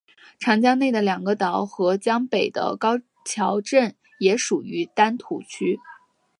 长江内的两个岛和江北的高桥镇也属于丹徒区。